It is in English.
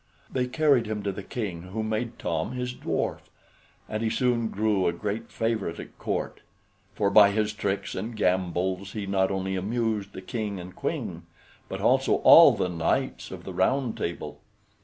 They carried him to the King, who made Tom his dwarf, and he soon grew a great favorite at court; for by his tricks and gambols he not only amused the King and Queen, but also all the Knights of the Round Table.